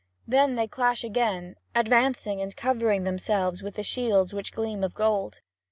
Then they clash again, advancing and covering themselves with the shields which gleam with gold.